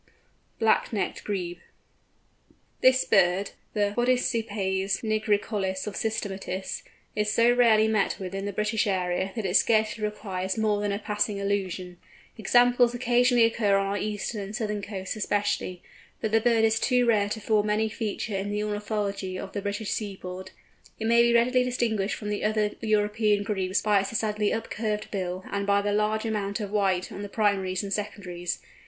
BLACK NECKED GREBE. This bird, the Podicipes nigricollis of systematists, is so rarely met with in the British area, that it scarcely requires more than a passing allusion. Examples occasionally occur on our eastern and southern coasts especially, but the bird is too rare to form any feature in the ornithology of the British seaboard. It may be readily distinguished from the other European Grebes by its decidedly up curved bill, and by the large amount of white on the primaries and secondaries.